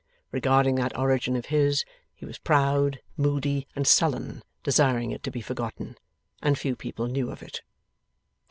Regarding that origin of his, he was proud, moody, and sullen, desiring it to be forgotten. And few people knew of it.